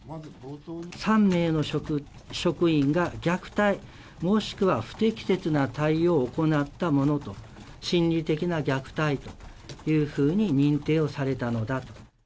３名の職員が虐待もしくは不適切な対応を行ったものと、心理的な虐待というふうに認定をされたのだと。